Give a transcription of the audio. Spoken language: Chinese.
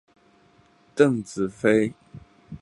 邓紫飞。